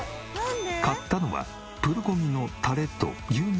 買ったのはプルコギのタレと牛肉を別々で。